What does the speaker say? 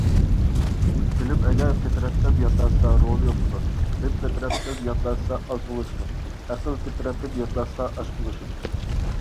بىلىم ئەگەر پىترەتتىن ياتلاشسا رولىنى يوقىتىدۇ. دىن پىترەتتىن ياتلاشسا ئازغۇنلىشىدۇ. ئەقىل پىترەتتىن ياتلاشسا ئاشقۇنلىشىدۇ.